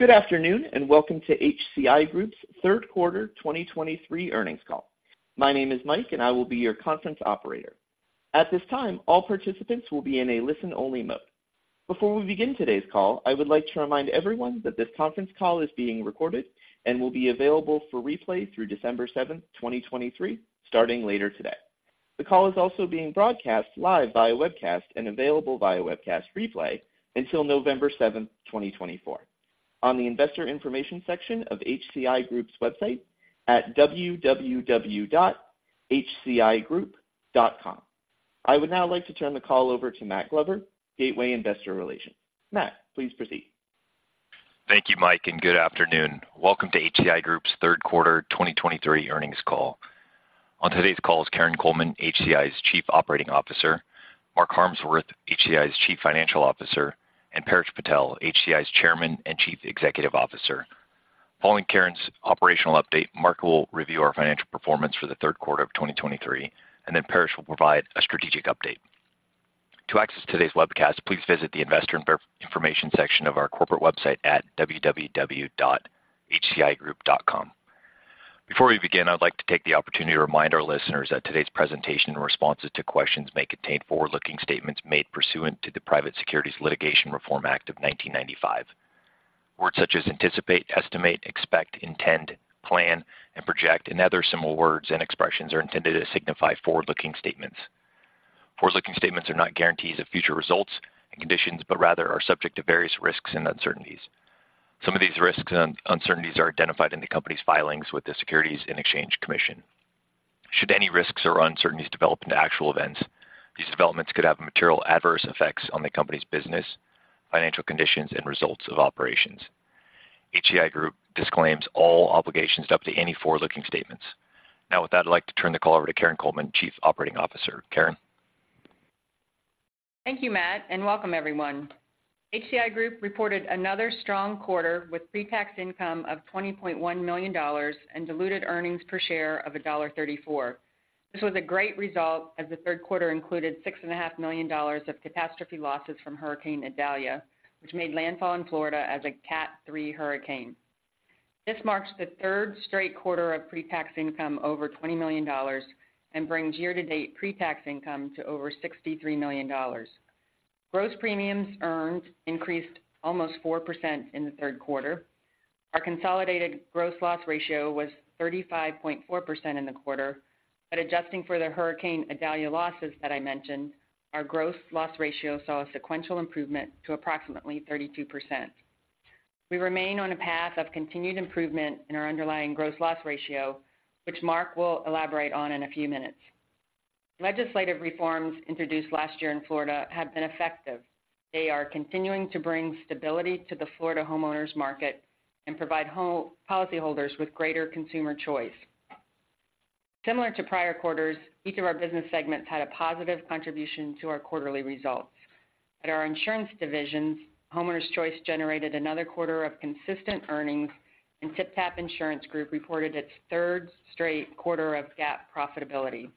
Good afternoon, and welcome to HCI Group's Third Quarter 2023 Earnings Call. My name is Mike, and I will be your conference operator. At this time, all participants will be in a listen-only mode. Before we begin today's call, I would like to remind everyone that this conference call is being recorded and will be available for replay through December 7, 2023, starting later today. The call is also being broadcast live via webcast and available via webcast replay until November 7, 2024, on the investor information section of HCI Group's website at www.hcigroup.com. I would now like to turn the call over to Matt Glover, Gateway Investor Relations. Matt, please proceed. Thank you, Mike, and good afternoon. Welcome to HCI Group's Third Quarter 2023 Earnings Call. On today's call is Karin Coleman, HCI's Chief Operating Officer, Mark Harmsworth, HCI's Chief Financial Officer, and Paresh Patel, HCI's Chairman and Chief Executive Officer. Following Karin's operational update, Mark will review our financial performance for the third quarter of 2023, and then Paresh will provide a strategic update. To access today's webcast, please visit the investor information section of our corporate website at www.hcigroup.com. Before we begin, I'd like to take the opportunity to remind our listeners that today's presentation and responses to questions may contain forward-looking statements made pursuant to the Private Securities Litigation Reform Act of 1995. Words such as anticipate, estimate, expect, intend, plan, and project, and other similar words and expressions are intended to signify forward-looking statements. Forward-looking statements are not guarantees of future results and conditions, but rather are subject to various risks and uncertainties. Some of these risks and uncertainties are identified in the company's filings with the Securities and Exchange Commission. Should any risks or uncertainties develop into actual events, these developments could have material adverse effects on the company's business, financial conditions, and results of operations. HCI Group disclaims all obligations to update any forward-looking statements. Now, with that, I'd like to turn the call over to Karin Coleman, Chief Operating Officer. Karin? Thank you, Matt, and welcome everyone. HCI Group reported another strong quarter with pretax income of $20.1 million and diluted earnings per share of $1.34. This was a great result, as the third quarter included $6.5 million of catastrophe losses from Hurricane Idalia, which made landfall in Florida as a Cat 3 hurricane. This marks the third straight quarter of pretax income over $20 million and brings year-to-date pretax income to over $63 million. Gross premiums earned increased almost 4% in the third quarter. Our consolidated gross loss ratio was 35.4% in the quarter, but adjusting for the Hurricane Idalia losses that I mentioned, our gross loss ratio saw a sequential improvement to approximately 32%. We remain on a path of continued improvement in our underlying Gross Loss Ratio, which Mark will elaborate on in a few minutes. Legislative reforms introduced last year in Florida have been effective. They are continuing to bring stability to the Florida homeowners market and provide home policyholders with greater consumer choice. Similar to prior quarters, each of our business segments had a positive contribution to our quarterly results. At our insurance divisions, Homeowners Choice generated another quarter of consistent earnings, and TypTap Insurance Company reported its third straight quarter of GAAP profitability.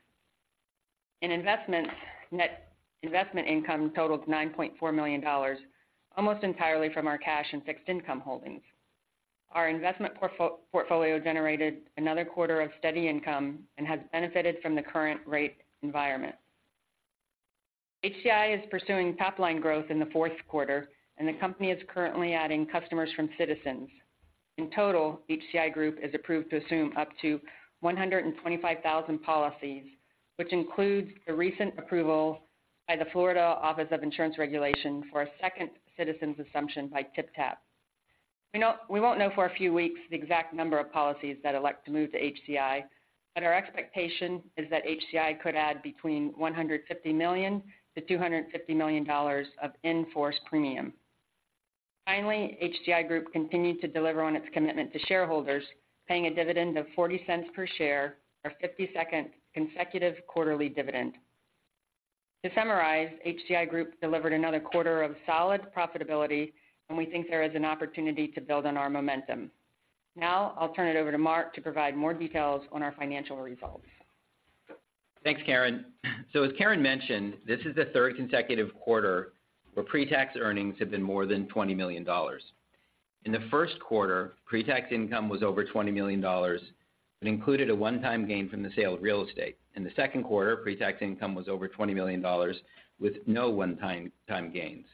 In investment, net investment income totaled $9.4 million, almost entirely from our cash and fixed income holdings. Our investment portfolio generated another quarter of steady income and has benefited from the current rate environment. HCI is pursuing top-line growth in the fourth quarter, and the company is currently adding customers from Citizens. In total, HCI Group is approved to assume up to 125,000 policies, which includes the recent approval by the Florida Office of Insurance Regulation for a second Citizens assumption by TypTap. We won't know for a few weeks the exact number of policies that elect to move to HCI, but our expectation is that HCI could add between $150 million-$250 million of in-force premium. Finally, HCI Group continued to deliver on its commitment to shareholders, paying a dividend of $0.40 per share, our 52nd consecutive quarterly dividend. To summarize, HCI Group delivered another quarter of solid profitability, and we think there is an opportunity to build on our momentum. Now, I'll turn it over to Mark to provide more details on our financial results. Thanks, Karin. So as Karin mentioned, this is the third consecutive quarter where pretax earnings have been more than $20 million. In the first quarter, pretax income was over $20 million and included a one-time gain from the sale of real estate. In the second quarter, pretax income was over $20 million, with no one-time gains.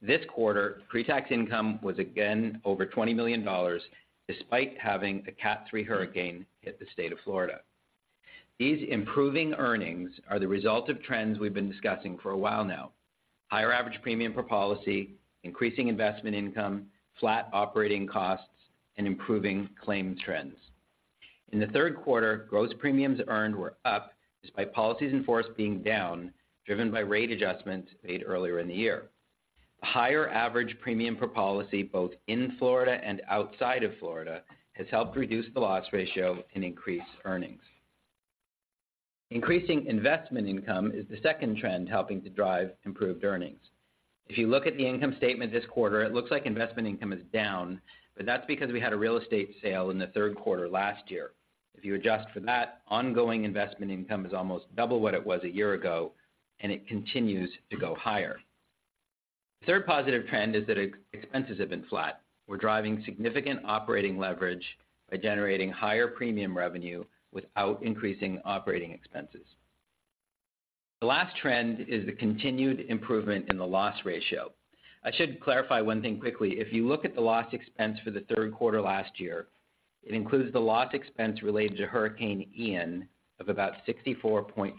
This quarter, pretax income was again over $20 million, despite having a Cat 3 hurricane hit the state of Florida. These improving earnings are the result of trends we've been discussing for a while now: higher average premium per policy, increasing investment income, flat operating costs, and improving claim trends. In the third quarter, gross premiums earned were up, despite policies in force being down, driven by rate adjustments made earlier in the year. A higher average premium per policy, both in Florida and outside of Florida, has helped reduce the loss ratio and increase earnings. Increasing investment income is the second trend helping to drive improved earnings. If you look at the income statement this quarter, it looks like investment income is down, but that's because we had a real estate sale in the third quarter last year. If you adjust for that, ongoing investment income is almost double what it was a year ago, and it continues to go higher. The third positive trend is that expenses have been flat. We're driving significant operating leverage by generating higher premium revenue without increasing operating expenses. The last trend is the continued improvement in the loss ratio. I should clarify one thing quickly. If you look at the loss expense for the third quarter last year, it includes the loss expense related to Hurricane Ian of about $64.6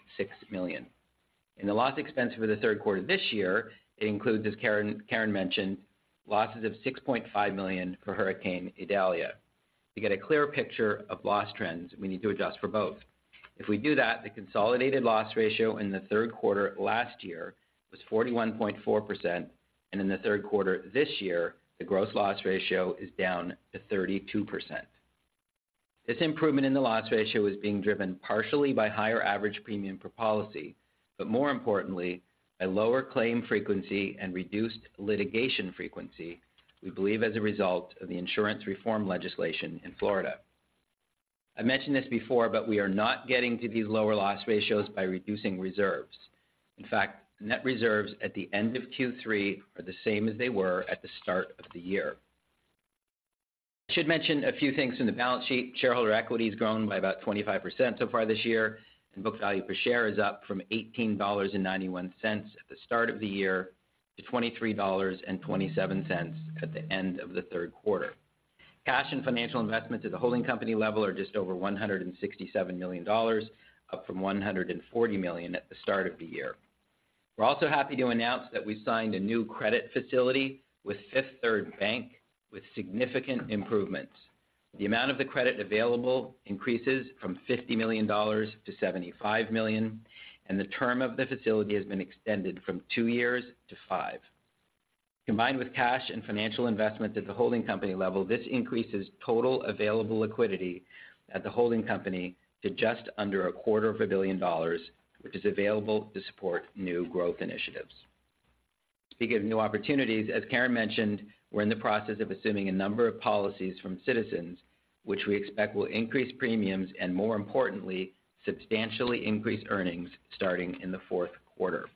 million. In the loss expense for the third quarter this year, it includes, as Karin mentioned, losses of $6.5 million for Hurricane Idalia. To get a clear picture of loss trends, we need to adjust for both. If we do that, the consolidated loss ratio in the third quarter last year was 41.4%, and in the third quarter this year, the gross loss ratio is down to 32%. This improvement in the loss ratio is being driven partially by higher average premium per policy, but more importantly, by lower claim frequency and reduced litigation frequency, we believe as a result of the insurance reform legislation in Florida. I mentioned this before, but we are not getting to these lower loss ratios by reducing reserves. In fact, net reserves at the end of Q3 are the same as they were at the start of the year. I should mention a few things in the balance sheet. Shareholder equity has grown by about 25% so far this year, and book value per share is up from $18.91 at the start of the year, to $23.27 at the end of the third quarter. Cash and financial investments at the holding company level are just over $167 million, up from $140 million at the start of the year. We're also happy to announce that we signed a new credit facility with Fifth Third Bank, with significant improvements. The amount of the credit available increases from $50 million to $75 million, and the term of the facility has been extended from two years to five. Combined with cash and financial investments at the holding company level, this increases total available liquidity at the holding company to just under $250 million, which is available to support new growth initiatives. Speaking of new opportunities, as Karin mentioned, we're in the process of assuming a number of policies from Citizens, which we expect will increase premiums and, more importantly, substantially increase earnings starting in the fourth quarter.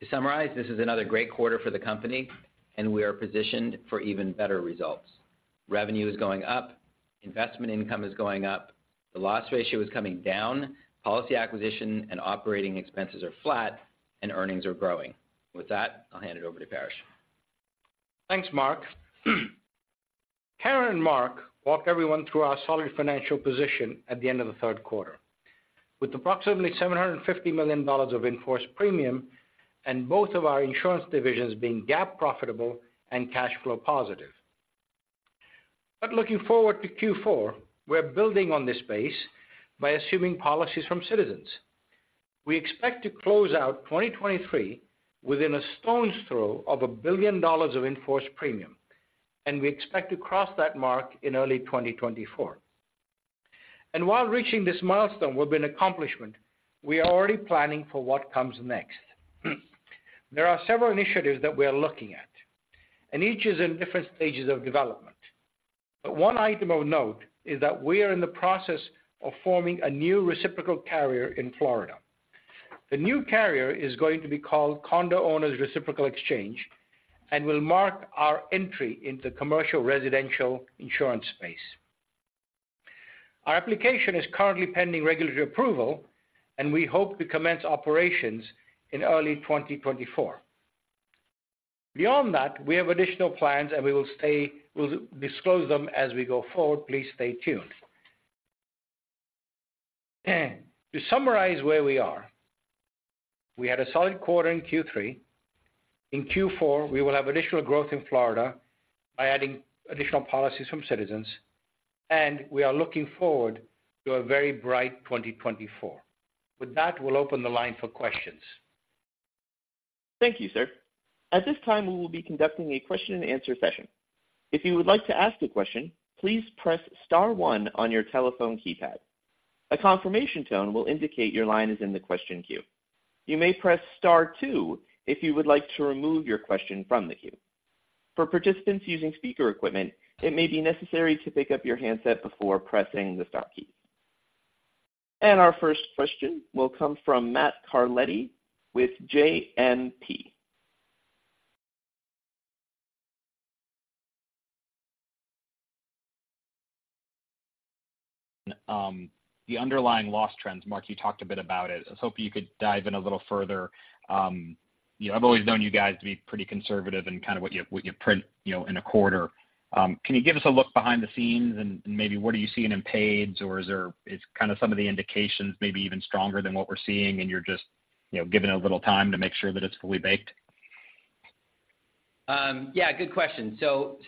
To summarize, this is another great quarter for the company, and we are positioned for even better results. Revenue is going up, investment income is going up, the loss ratio is coming down, policy acquisition and operating expenses are flat, and earnings are growing. With that, I'll hand it over to Paresh. Thanks, Mark. Karin and Mark walked everyone through our solid financial position at the end of the third quarter, with approximately $750 million of in-force premium and both of our insurance divisions being GAAP profitable and cash flow positive. But looking forward to Q4, we're building on this base by assuming policies from Citizens. We expect to close out 2023 within a stone's throw of $1 billion of in-force premium, and we expect to cross that mark in early 2024. And while reaching this milestone will be an accomplishment, we are already planning for what comes next. There are several initiatives that we are looking at, and each is in different stages of development. But one item of note is that we are in the process of forming a new reciprocal carrier in Florida. The new carrier is going to be called Condo Owners Reciprocal Exchange and will mark our entry into the commercial residential insurance space. Our application is currently pending regulatory approval, and we hope to commence operations in early 2024. Beyond that, we have additional plans and we'll disclose them as we go forward. Please stay tuned. To summarize where we are, we had a solid quarter in Q3. In Q4, we will have additional growth in Florida by adding additional policies from Citizens, and we are looking forward to a very bright 2024. With that, we'll open the line for questions. Thank you, sir. At this time, we will be conducting a question-and-answer session. If you would like to ask a question, please press star one on your telephone keypad. A confirmation tone will indicate your line is in the question queue. You may press star two if you would like to remove your question from the queue. For participants using speaker equipment, it may be necessary to pick up your handset before pressing the star key. Our first question will come from Matt Carletti with JMP. The underlying loss trends, Mark, you talked a bit about it. I was hoping you could dive in a little further. You know, I've always known you guys to be pretty conservative in kind of what you, what you print, you know, in a quarter. Can you give us a look behind the scenes and, and maybe what are you seeing in paids, or is there, is kind of some of the indications maybe even stronger than what we're seeing, and you're just, you know, giving it a little time to make sure that it's fully baked? Yeah, good question. So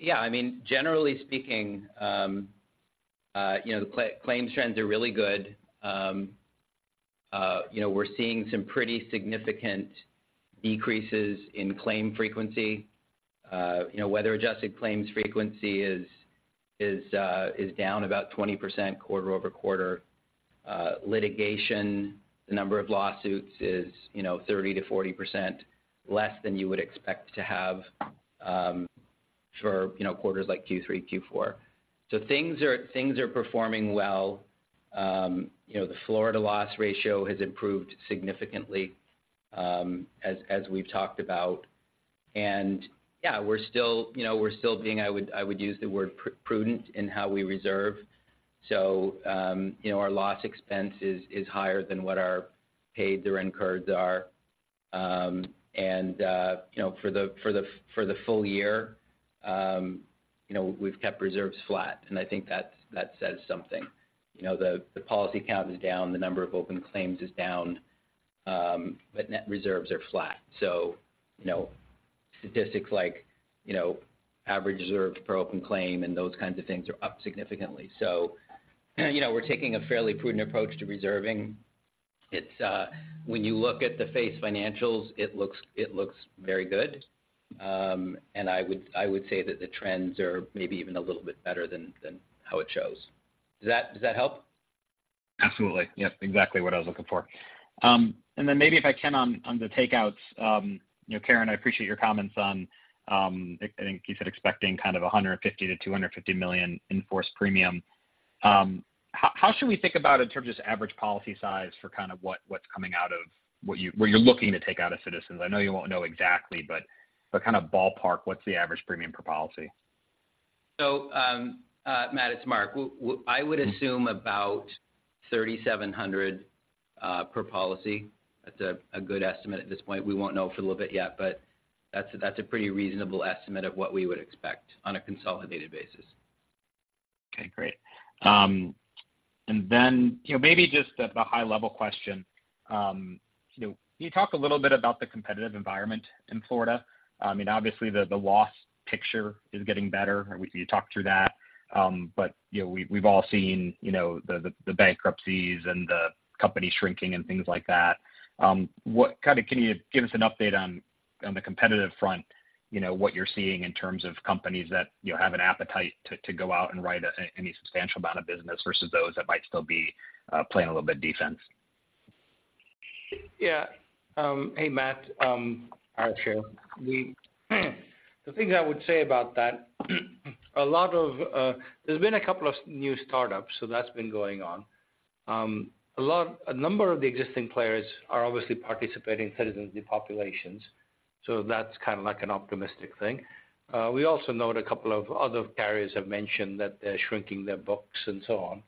yeah, I mean, generally speaking, you know, the claims trends are really good. You know, we're seeing some pretty significant decreases in claim frequency. You know, weather-adjusted claims frequency is down about 20% quarter-over-quarter. Litigation, the number of lawsuits is, you know, 30%-40% less than you would expect to have, for, you know, quarters like Q3, Q4. So things are performing well. You know, the Florida loss ratio has improved significantly, as we've talked about. And yeah, we're still, you know, we're still being, I would use the word prudent in how we reserve. So, you know, our loss expense is higher than what our paid or incurred are. You know, for the full year, you know, we've kept reserves flat, and I think that says something. You know, the policy count is down, the number of open claims is down, but net reserves are flat. So, you know, statistics like, you know, average reserves per open claim, and those kinds of things are up significantly. So, you know, we're taking a fairly prudent approach to reserving. It's when you look at the face financials. It looks very good. And I would say that the trends are maybe even a little bit better than how it shows. Does that help? Absolutely. Yep, exactly what I was looking for. And then maybe if I can on the takeouts, you know, Karin, I appreciate your comments on, I think you said expecting kind of $150 million-$250 million in-force premium. How should we think about in terms of just average policy size for kind of what's coming out of where you're looking to take out of Citizens? I know you won't know exactly, but kind of ballpark, what's the average premium per policy? Matt, it's Mark. I would assume about $3,700 per policy. That's a good estimate at this point. We won't know for a little bit yet, but that's a pretty reasonable estimate of what we would expect on a consolidated basis. Okay, great. And then, you know, maybe just a high level question. You know, can you talk a little bit about the competitive environment in Florida? I mean, obviously, the loss picture is getting better, or we can you talk through that. But, you know, we've all seen, you know, the bankruptcies and the company shrinking and things like that. What kind of can you give us an update on the competitive front, you know, what you're seeing in terms of companies that, you know, have an appetite to go out and write any substantial amount of business versus those that might still be playing a little bit defense? Yeah. Hey, Matt, Hi, sir. Well, the things I would say about that, a lot of, there's been a couple of new startups, so that's been going on. A lot, a number of the existing players are obviously participating in Citizens depopulations, so that's kind of like an optimistic thing. We also note a couple of other carriers have mentioned that they're shrinking their books and so on.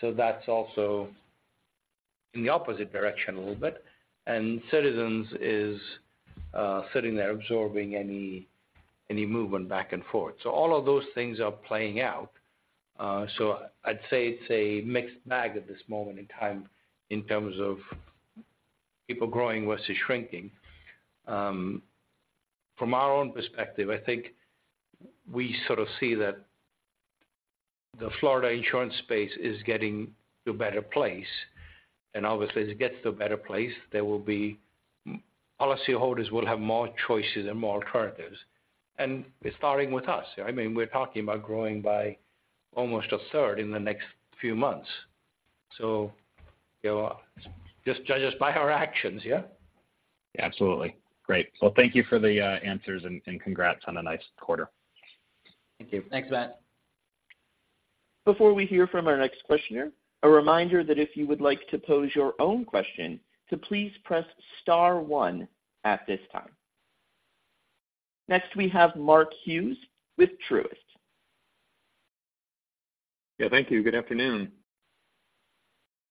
So that's also in the opposite direction a little bit. Citizens is sitting there absorbing any movement back and forth. So all of those things are playing out. So I'd say it's a mixed bag at this moment in time in terms of people growing versus shrinking. From our own perspective, I think we sort of see that the Florida insurance space is getting to a better place. Obviously, as it gets to a better place, there will be, policyholders will have more choices and more alternatives. It's starting with us. I mean, we're talking about growing by almost a third in the next few months. You know, just judge us by our actions. Yeah? Absolutely. Great. Well, thank you for the answers and congrats on a nice quarter. Thank you. Thanks, Matt. Before we hear from our next questioner, a reminder that if you would like to pose your own question, to please press star one at this time. Next, we have Mark Hughes with Truist. Yeah, thank you. Good afternoon.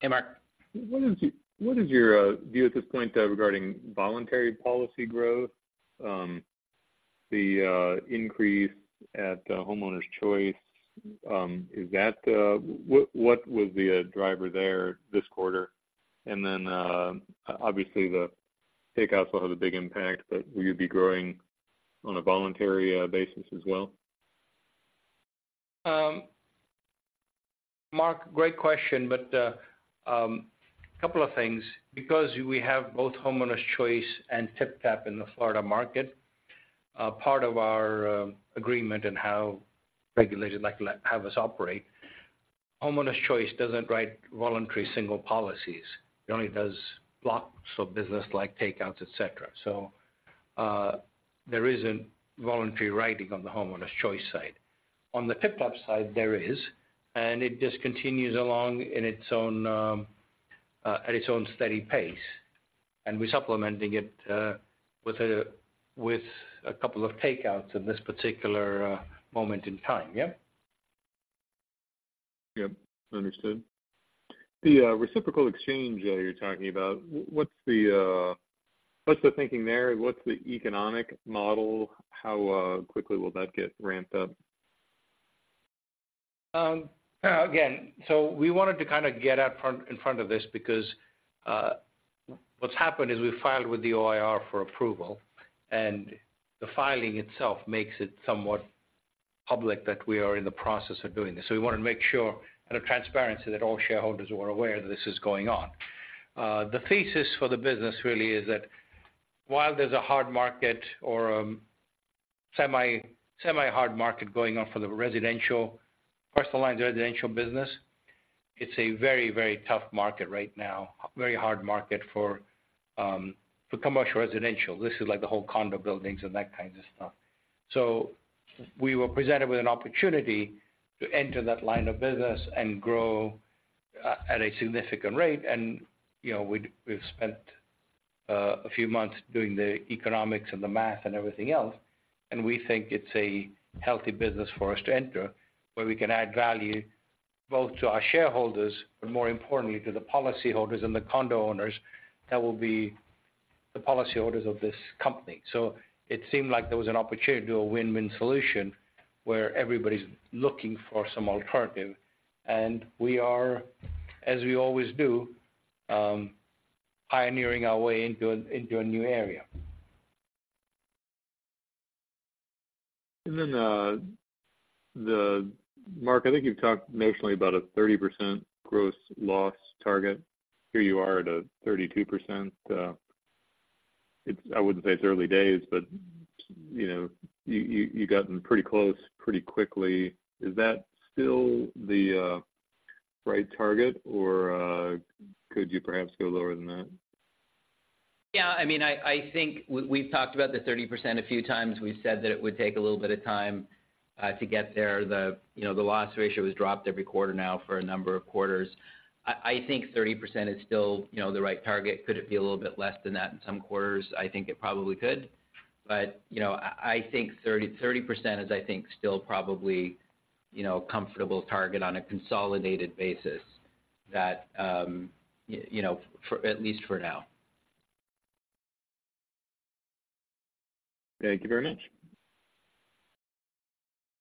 Hey, Mark. What is your view at this point regarding voluntary policy growth, the increase at Homeowners Choice? Is that what was the driver there this quarter? And then, obviously, the takeouts will have a big impact, but will you be growing on a voluntary basis as well? Mark, great question, but a couple of things. Because we have both Homeowners Choice and TypTap in the Florida market, a part of our agreement and how regulators like to have us operate, Homeowners Choice doesn't write voluntary single policies. It only does blocks of business like takeouts, et cetera. So, there isn't voluntary writing on the Homeowners Choice side. On the TypTap side, there is, and it just continues along in its own at its own steady pace, and we're supplementing it with a couple of takeouts in this particular moment in time. Yeah? Yep, understood. The reciprocal exchange you're talking about, what's the thinking there? What's the economic model? How quickly will that get ramped up? Again, so we wanted to kind of get out front, in front of this because, what's happened is we filed with the OIR for approval, and the filing itself makes it somewhat public that we are in the process of doing this. So we wanted to make sure, out of transparency, that all shareholders were aware that this is going on. The thesis for the business really is that while there's a hard market or, a semi, semi-hard market going on for the residential, personal lines residential business. It's a very, very tough market right now. Very hard market for, for commercial residential. This is like the whole condo buildings and that kind of stuff. So we were presented with an opportunity to enter that line of business and grow, at a significant rate. And, you know, we've spent a few months doing the economics and the math and everything else, and we think it's a healthy business for us to enter, where we can add value both to our shareholders, but more importantly, to the policyholders and the condo owners that will be the policyholders of this company. So it seemed like there was an opportunity to do a win-win solution, where everybody's looking for some alternative. And we are, as we always do, pioneering our way into a new area. And then, Mark, I think you've talked nationally about a 30% gross loss target. Here you are at a 32%. I wouldn't say it's early days, but, you know, you've gotten pretty close pretty quickly. Is that still the right target, or could you perhaps go lower than that? Yeah, I mean, I think we've talked about the 30% a few times. We've said that it would take a little bit of time to get there. You know, the loss ratio has dropped every quarter now for a number of quarters. I think 30% is still, you know, the right target. Could it be a little bit less than that in some quarters? I think it probably could. But, you know, I think 30% is, I think, still probably, you know, a comfortable target on a consolidated basis that, you know, for at least for now. Thank you very much.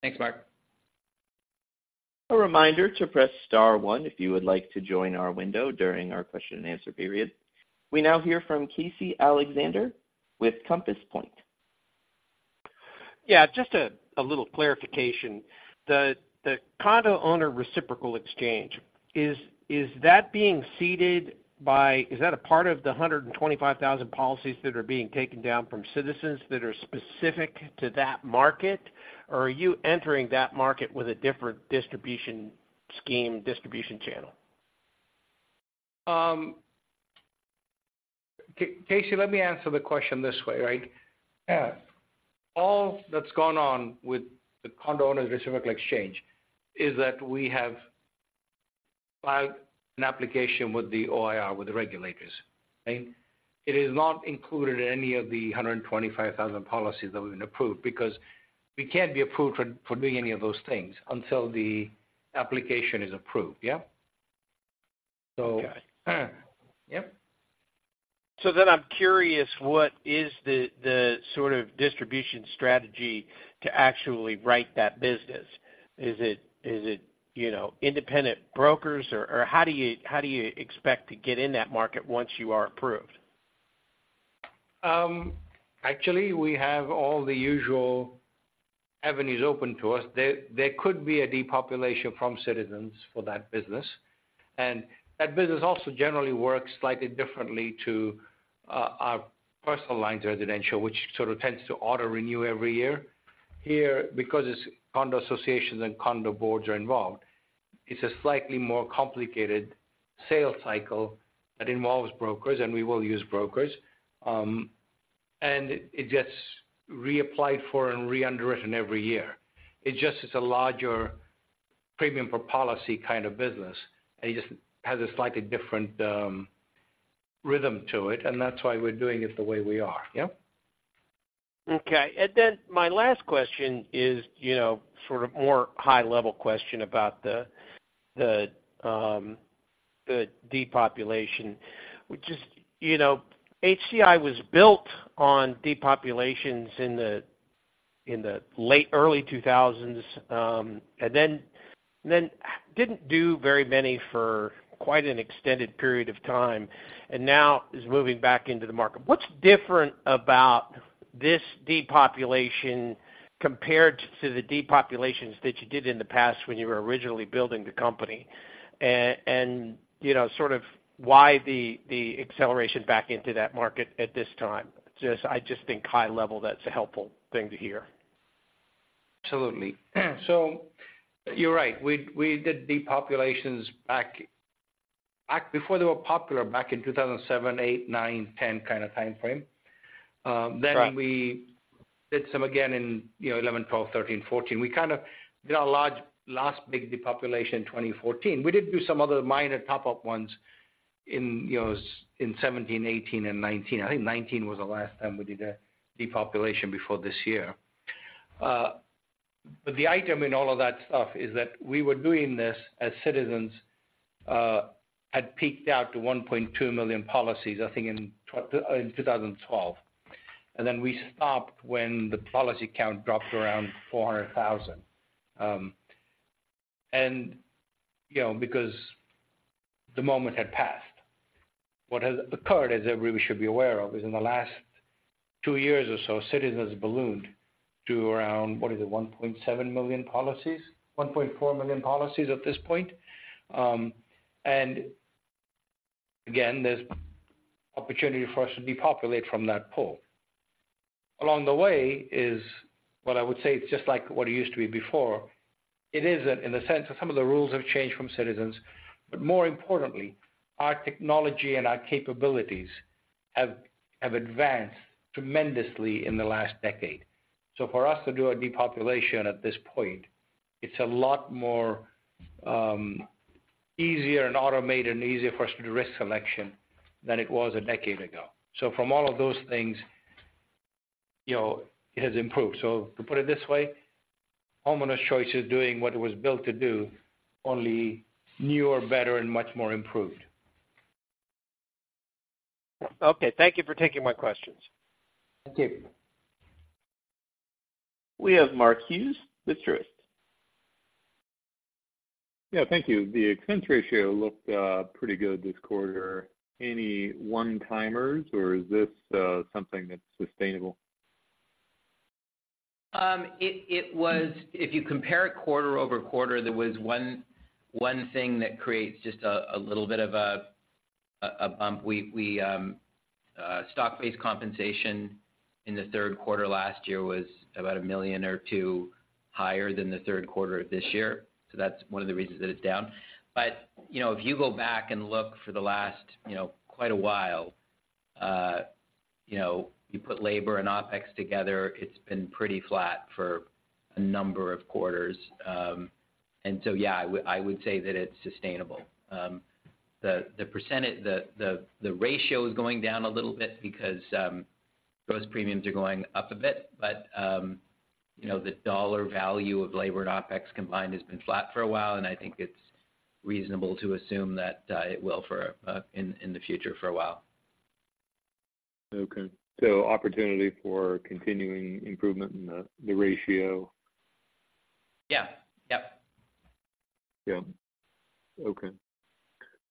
Thanks, Mark. A reminder to press star one if you would like to join our queue during our question and answer period. We now hear from Casey Alexander with Compass Point. Yeah, just a little clarification. The Condo Owners Reciprocal Exchange, is that being seeded by, is that a part of the 125,000 policies that are being taken down from Citizens that are specific to that market? Or are you entering that market with a different distribution scheme, distribution channel? Casey, let me answer the question this way, right? Yeah. All that's gone on with the Condo Owners Reciprocal Exchange, is that we have filed an application with the OIR, with the regulators. Okay? It is not included in any of the 125,000 policies that we've been approved, because we can't be approved for, for doing any of those things until the application is approved. Yeah? So. Okay. Yep. So then I'm curious, what is the sort of distribution strategy to actually write that business? Is it, you know, independent brokers, or how do you expect to get in that market once you are approved? Actually, we have all the usual avenues open to us. There could be a depopulation from Citizens for that business. And that business also generally works slightly differently to our personal lines residential, which sort of tends to auto renew every year. Here, because it's condo associations and condo boards are involved, it's a slightly more complicated sales cycle that involves brokers, and we will use brokers. And it gets reapplied for and re-underwritten every year. It just is a larger premium for policy kind of business, and it just has a slightly different rhythm to it, and that's why we're doing it the way we are. Yeah? Okay. And then my last question is, you know, sort of more high-level question about the depopulation, which is, you know, HCI was built on depopulations in the late early 2000s, and then didn't do very many for quite an extended period of time, and now is moving back into the market. What's different about this depopulation compared to the depopulations that you did in the past when you were originally building the company? And, you know, sort of why the acceleration back into that market at this time? I just think high-level, that's a helpful thing to hear. Absolutely. So you're right. We did depopulations back before they were popular, back in 2007, 2008, 2009, 2010 kind of time frame. Right. Then we did some again in, you know, 2011, 2012, 2013, 2014. We kind of did our large last big depopulation in 2014. We did do some other minor top-up ones in, you know, in 2017, 2018, and 2019. I think 2019 was the last time we did a depopulation before this year. But the item in all of that stuff is that we were doing this as Citizens had peaked out to 1.2 million policies, I think, in 2012. And then we stopped when the policy count dropped around 400,000. And, you know, because the moment had passed. What has occurred, as everybody should be aware of, is in the last two years or so, Citizens ballooned to around, what is it? 1.7 million policies, 1.4 million policies at this point. Again, there's opportunity for us to depopulate from that pool. Along the way is, what I would say, it's just like what it used to be before. It isn't in the sense that some of the rules have changed from Citizens, but more importantly, our technology and our capabilities have advanced tremendously in the last decade. So for us to do a depopulation at this point, it's a lot more easier and automated and easier for us to do risk selection than it was a decade ago. So from all of those things, you know, it has improved. So to put it this way, Homeowners Choice is doing what it was built to do, only newer, better, and much more improved. Okay, thank you for taking my questions. Thank you. We have Mark Hughes with Truist. Yeah, thank you. The expense ratio looked pretty good this quarter. Any one-timers, or is this something that's sustainable? It was if you compare it quarter-over-quarter, there was one thing that creates just a little bit of a bump. We stock-based compensation in the third quarter last year was about $1 million or $2 million higher than the third quarter of this year. So that's one of the reasons that it's down. But, you know, if you go back and look for the last, you know, quite a while, you know, you put labor and OpEx together, it's been pretty flat for a number of quarters. And so, yeah, I would say that it's sustainable. The percent of the ratio is going down a little bit because those premiums are going up a bit. But, you know, the dollar value of labor and OpEx combined has been flat for a while, and I think it's reasonable to assume that it will in the future for a while. Okay. So opportunity for continuing improvement in the ratio? Yeah. Yep. Yeah. Okay.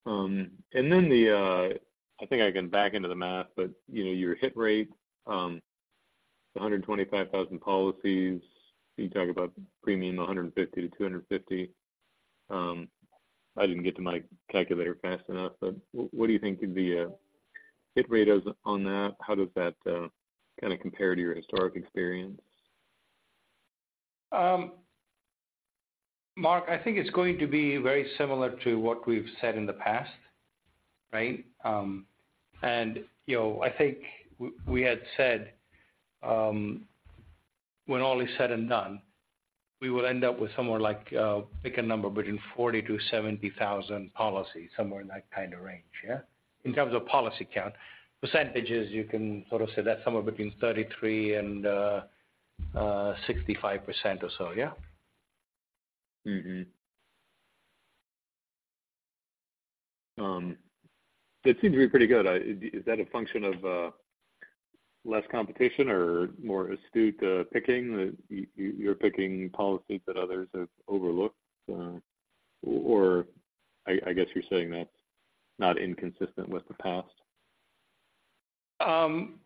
And then the, I think I can back into the math, but, you know, your hit rate, 125,000 policies. You talk about premium, $150-$250. I didn't get to my calculator fast enough, but what do you think could be a hit rate on that? How does that, kind of compare to your historic experience? Mark, I think it's going to be very similar to what we've said in the past, right? And, you know, I think we had said, when all is said and done, we will end up with somewhere like, pick a number between 40,000 to 70,000 policies, somewhere in that kind of range, yeah? In terms of policy count. Percentages, you can sort of say that's somewhere between 33% and 65% or so, yeah. That seems to be pretty good. Is that a function of less competition or more astute picking? That you're picking policies that others have overlooked, or I guess you're saying that's not inconsistent with the past.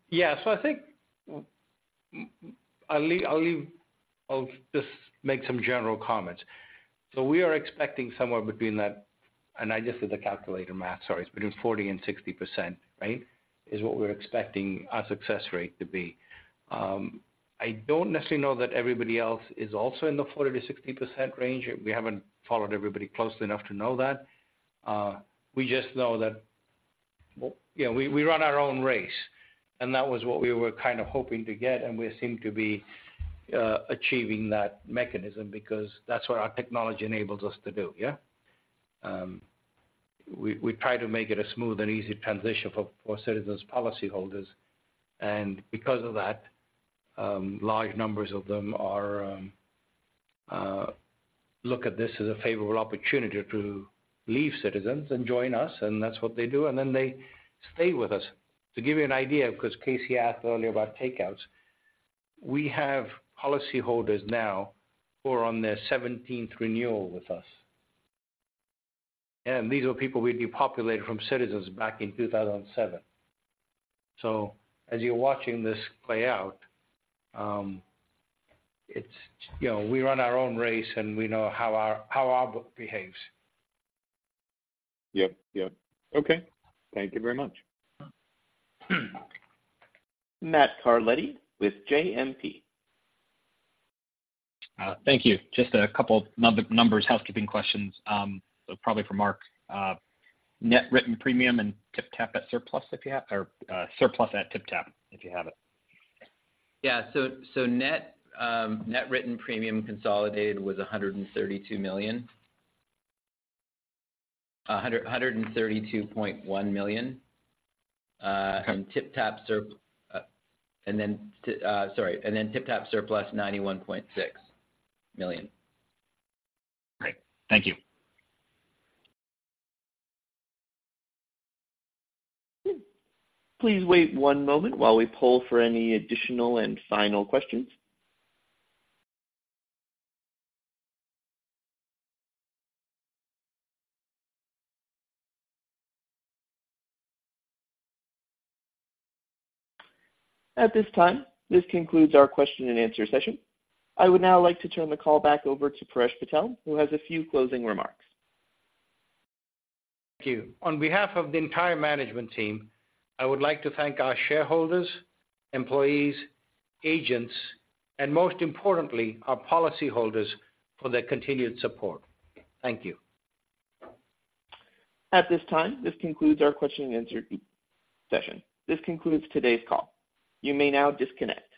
Yeah. So I think, I'll just make some general comments. So we are expecting somewhere between that, and I just did the calculator math, sorry, it's between 40% to 60%, right? Is what we're expecting our success rate to be. I don't necessarily know that everybody else is also in the 40% to 60% range. We haven't followed everybody closely enough to know that. We just know that, well, you know, we run our own race, and that was what we were kind of hoping to get, and we seem to be achieving that mechanism because that's what our technology enables us to do, yeah? We try to make it a smooth and easy transition for Citizens policyholders, and because of that, large numbers of them are look at this as a favorable opportunity to leave Citizens and join us, and that's what they do, and then they stay with us. To give you an idea, because Casey asked earlier about takeouts, we have policyholders now who are on their 17th renewal with us. And these are people we depopulated from Citizens back in 2007. So as you're watching this play out, it's, you know, we run our own race, and we know how our book behaves. Yep, yep. Okay. Thank you very much. Matt Carletti with JMP. Thank you. Just a couple numbers, housekeeping questions, probably for Mark. Net Written Premium and TypTap at surplus, if you have, or, surplus at TypTap, if you have it. Yeah. So net written premium consolidated was $132.1 million, and then TypTap surplus $91.6 million. Great. Thank you. Please wait one moment while we poll for any additional and final questions. At this time, this concludes our question and answer session. I would now like to turn the call back over to Paresh Patel, who has a few closing remarks. Thank you. On behalf of the entire management team, I would like to thank our shareholders, employees, agents, and most importantly, our policyholders for their continued support. Thank you. At this time, this concludes our question and answer session. This concludes today's call. You may now disconnect.